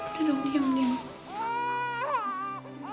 udah dong diam diam